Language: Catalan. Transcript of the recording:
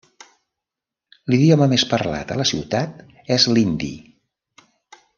L'idioma més parlat a la ciutat és l'hindi.